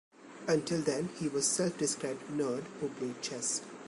Until then, he was a self-described "nerd" who played chess.